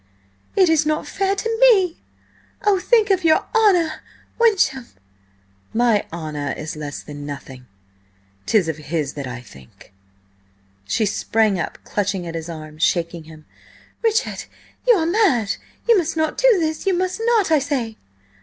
"It is not fair to me! Oh, think of your honour–Wyncham!" "My honour is less than nothing. 'Tis of his that I think." She sprang up, clutching at his arm, shaking him. "Richard, you are mad! You must not do this! You must not, I say!"